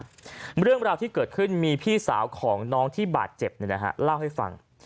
เรื่องราวที่เกิดขึ้นมีพี่สาวของน้องที่บาดเจ็บเล่าให้ฟัง